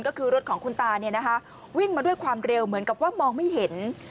ก็คือรถของคุณตาวิ่งมาด้วยความเร็วเหมือนกับว่ามองไม่เห็น